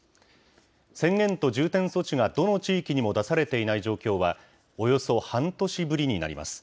宣言と重点措置がどの地域にも出されていない状況はおよそ半年ぶりになります。